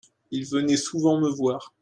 Il venait souvent me voir.